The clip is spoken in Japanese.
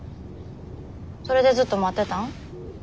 それでずっと待ってたん？